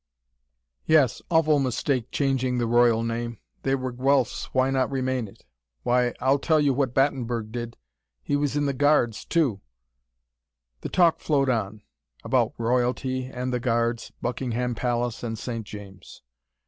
"Yes! Awful mistake, changing the royal name. They were Guelfs, why not remain it? Why, I'll tell you what Battenberg did. He was in the Guards, too " The talk flowed on: about royalty and the Guards, Buckingham Palace and St. James.